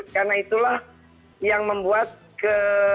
karena itulah yang membuat ke